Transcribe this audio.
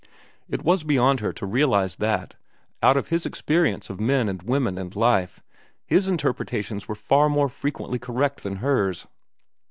It was beyond her to realize that, out of his experience of men and women and life, his interpretations were far more frequently correct than hers.